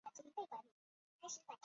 康熙三十二年病卒。